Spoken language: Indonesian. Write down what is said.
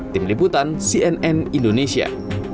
tim liputan cnn indonesia